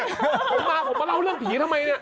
มาว่ามาเล่าเรื่องผีทำไมนี้